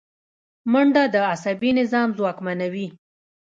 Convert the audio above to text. منډه د عصبي نظام ځواکمنوي